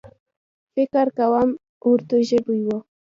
فکر کوم اردو ژبۍ و.